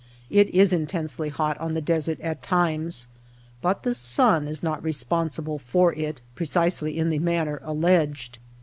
It is intensely hot on the desert at times, but the sun is not responsible for it precisely in the manner alleged.